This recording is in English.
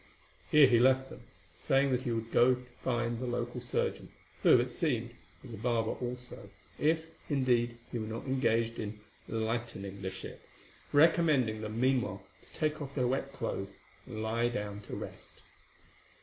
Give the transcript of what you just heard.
Here he left them, saying that he would go to find the local surgeon, who, it seemed, was a barber also, if, indeed, he were not engaged in "lightening the ship," recommending them meanwhile to take off their wet clothes and lie down to rest.